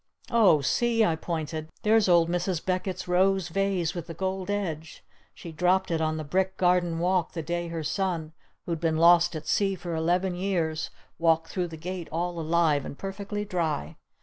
"Oh, see!" I pointed. "There's old Mrs. Beckett's rose vase with the gold edge! She dropped it on the brick garden walk the day her son who'd been lost at sea for eleven years walked through the gate all alive and perfectly dry!